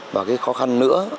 và cái khó khăn nữa